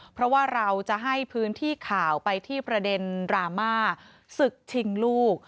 เพราะว่าเราจะให้พื้นที่ข่าวไปที่ประเด็นดราม่าศึกชิงลูก